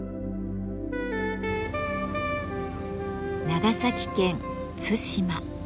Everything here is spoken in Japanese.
長崎県対馬。